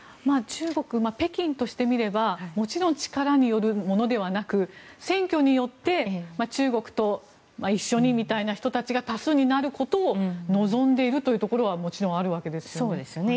北京としみてればもちろん力によるものではなく選挙によって中国と一緒にみたいな人が多数になることを望んでいるというところはもちろんあるわけですよね。